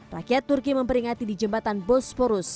rakyat turki memperingati di jembatan bosporus